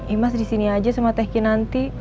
imas disini aja sama teh kinanti